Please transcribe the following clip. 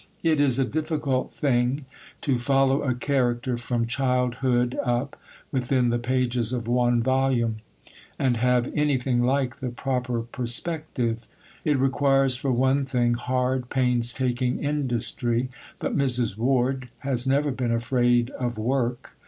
It is a difficult thing to follow a character from childhood up, within the pages of one volume, and have anything like the proper perspective. It requires for one thing, hard, painstaking industry; but Mrs. Ward has never been afraid of work.